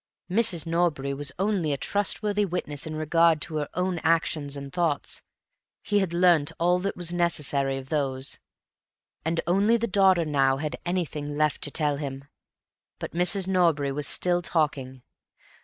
Mrs. Norbury was only a trustworthy witness in regard to her own actions and thoughts; he had learnt all that was necessary of those, and only the daughter now had anything left to tell him. But Mrs. Norbury was still talking.